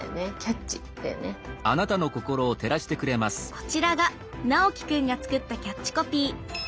こちらがナオキ君が作ったキャッチコピー。